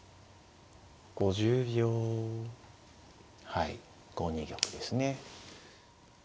はい５二玉ですね。